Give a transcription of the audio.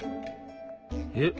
えっ？